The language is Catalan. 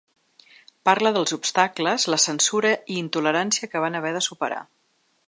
Parla dels obstacles, la censura i intolerància que van haver de superar.